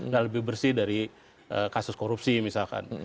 dan lebih bersih dari kasus korupsi misalkan